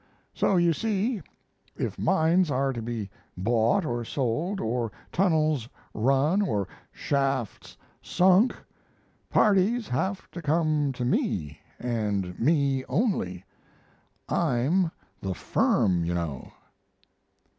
So, you see, if mines are to be bought or sold, or tunnels run or shafts sunk, parties have to come to me and me only. I'm the "firm," you know.